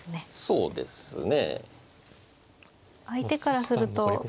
そうですね。